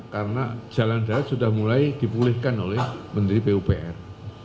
karena jalan darat sudah mulai dipulihkan oleh menteri pemudaraan